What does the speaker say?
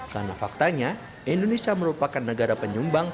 karena faktanya indonesia merupakan negara penyumbang